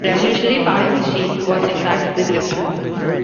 The revolutionary part of the shield was, in fact, the grip.